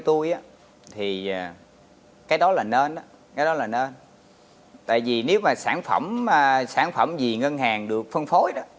tôi thì cái đó là nên đó cái đó là nên tại vì nếu mà sản phẩm sản phẩm gì ngân hàng được phân phối đó